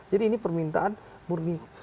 jadi ini permintaan murni